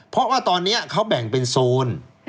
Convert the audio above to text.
เพราะว่าตอนนี้เขาแบ่งเป็นโซน